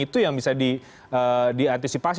itu yang bisa diantisipasi